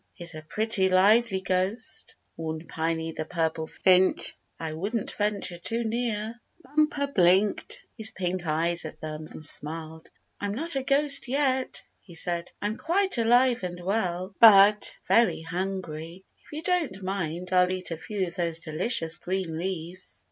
"He's a pretty lively ghost," warned Piney the Purple Finch. "I wouldn't venture too near." Bumper blinked his pink eyes at them, and smiled. "I'm not a ghost yet," he said. "I'm quite alive and well, but very hungry. If you don't mind I'll eat a few of these delicious green leaves."